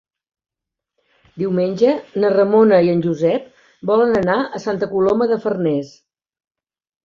Diumenge na Ramona i en Josep volen anar a Santa Coloma de Farners.